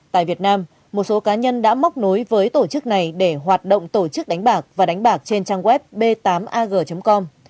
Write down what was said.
tại việt nam một số cá nhân đã móc nối với tổ chức này để hoạt động tổ chức đánh bạc và đánh bạc trên trang web b tám ag com